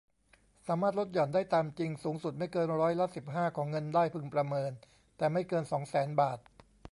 สามารถลดหย่อนได้ตามจริง สูงสุดไม่เกินร้อยละ สิบห้า ของเงินได้พึงประเมิน แต่ไม่เกิน สองแสน บาท